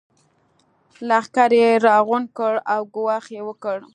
لښکر يې راغونډ کړ او ګواښ يې وکړ.